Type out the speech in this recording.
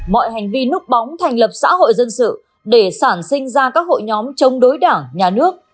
mọi hành vi núp bóng thành lập xã hội dân sự để sản sinh ra các hội nhóm chống đối đảng nhà nước